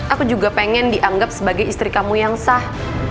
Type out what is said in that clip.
aku juga pengen dianggap sebagai istri kamu yang sah